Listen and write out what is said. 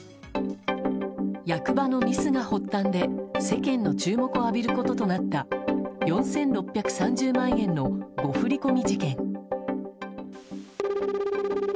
役場のミスが発端で世間の注目を浴びることとなった４６３０万円の誤振り込み事件。